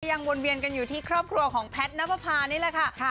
ยังวนเวียนกันอยู่ที่ครอบครัวของแพทย์นับประพานี่แหละค่ะ